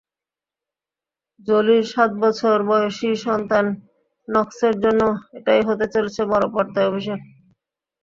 জোলির সাত বছর বয়সী সন্তান নক্সের জন্য এটাই হতে চলেছে বড়পর্দায় অভিষেক।